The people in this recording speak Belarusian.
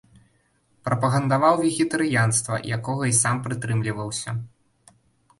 Прапагандаваў вегетарыянства, якога і сам прытрымліваўся.